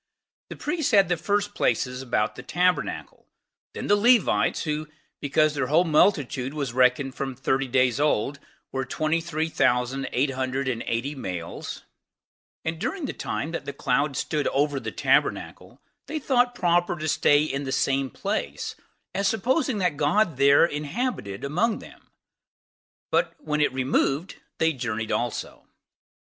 The priests had the first places about the tabernacle; then the Levites, who, because their whole multitude was reckoned from thirty days old, were twenty three thousand eight hundred and eighty males; and during the time that the cloud stood over the tabernacle, they thought proper to stay in the same place, as supposing that God there inhabited among them; but when that removed, they journeyed also.